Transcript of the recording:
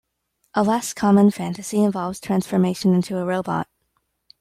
A less common fantasy involves transformation into a robot.